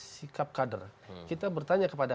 sikap kader kita bertanya kepada